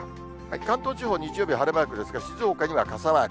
関東地方、日曜日は晴れマークですが、静岡には傘マーク。